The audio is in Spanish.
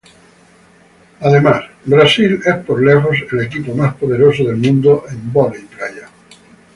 Además Brasil es por lejos el equipo más poderoso del mundo en vóley playa.